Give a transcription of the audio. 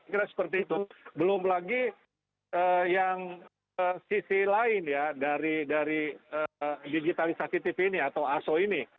kira seperti itu belum lagi yang sisi lain ya dari digitalisasi tv ini atau aso ini